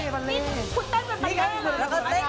คุณเต้นเป็นบัลเล่หรอ